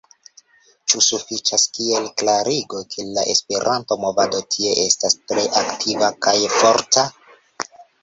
Ĉu sufiĉas kiel klarigo, ke la Esperanto-movado tie estas tre aktiva kaj forta?